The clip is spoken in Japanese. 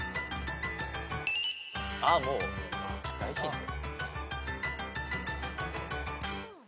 ああもう大ヒント。